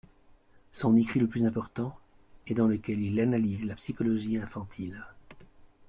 Son écrit le plus important est ', dans lequel il analyse la psychologie infantile.